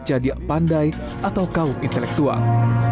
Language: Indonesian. cadiak pandai atau kaum intelektual